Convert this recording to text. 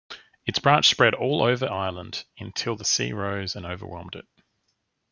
Its branches spread all over Ireland, until the sea rose and overwhelmed it.